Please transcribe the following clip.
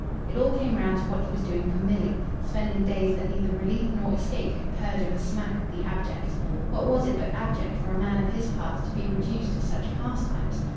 It all came round to what he was doing for Milly spending days that neither relief nor escape could purge of a smack of the abject. What was it but abject for a man of his parts to be reduced to such pastimes?